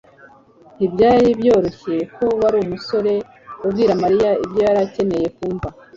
Ntibyari byoroshye ko Wa musore abwira Mariya ibyo yari akeneye kumva